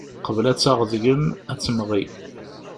Qbel ad taɣ deg-m, ad temɣi.